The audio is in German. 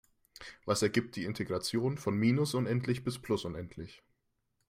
Was ergibt die Integration von minus unendlich bis plus unendlich?